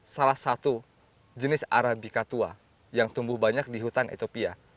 salah satu jenis arabica tua yang tumbuh banyak di hutan etopia